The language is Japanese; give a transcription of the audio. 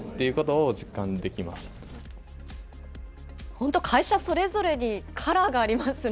本当、会社それぞれにカラーがありますね。